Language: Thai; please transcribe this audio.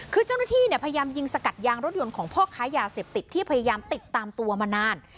คือเจ้าหน้าที่เนี่ยพยายามยิงสกัดยางรถยนต์ของพ่อค้ายาเสพติดที่พยายามติดตามตัวมานาน